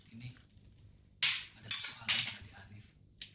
ini ada persoalan pada di arif